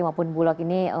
maupun bulog ini